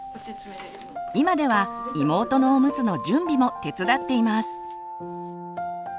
今では妹のおむつの準備も手伝っています。